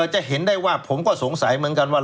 จะเห็นได้ว่าผมก็สงสัยเหมือนกันว่า